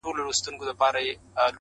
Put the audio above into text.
o څارنوال او د قاضي که د بابا ده,